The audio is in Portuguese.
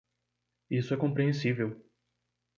Isso é compreensível.